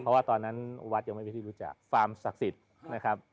เพราะว่าตอนนั้นวัดยังไม่มีที่รู้จักฟาร์มศักดิ์สิทธิ์นะครับ